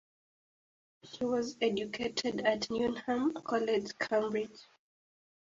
She was educated at Newnham College, Cambridge.